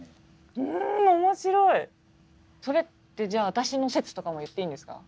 それってじゃあ私の説とかも言っていいんですか？